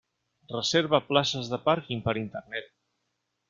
Reserva places de pàrquing per Internet.